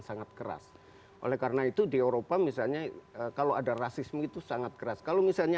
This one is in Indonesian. sangat keras oleh karena itu di eropa misalnya kalau ada rasisme itu sangat keras kalau misalnya